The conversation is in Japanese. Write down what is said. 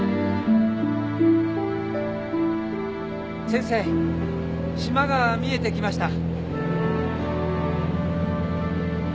先生島が見えてきました。